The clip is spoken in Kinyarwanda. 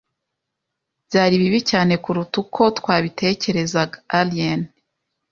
Byari bibi cyane kuruta uko twabitekerezaga. (aliene)